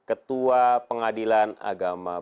einkan lahirkan lampu show